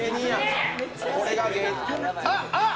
あっ！